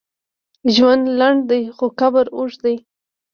ژوند لنډ دی، خو قبر اوږد دی.